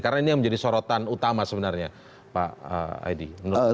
karena ini yang menjadi sorotan utama sebenarnya pak aidi